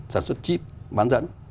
sản xuất chip bán dẫn